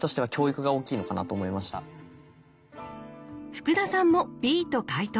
福田さんもＢと解答。